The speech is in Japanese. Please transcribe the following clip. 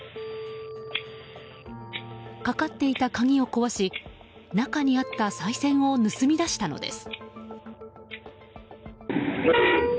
かかっていた鍵を壊し中にあったさい銭を盗み出したのです。